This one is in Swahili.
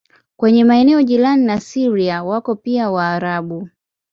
Kwenye maeneo jirani na Syria wako pia Waarabu.